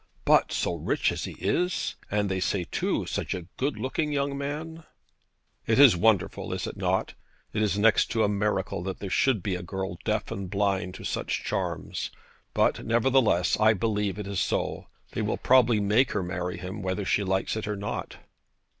'But so rich as he is! And they say, too, such a good looking young man.' 'It is wonderful, is it not? It is next to a miracle that there should be a girl deaf and blind to such charms. But, nevertheless, I believe it is so. They will probably make her marry him, whether she likes it or not.'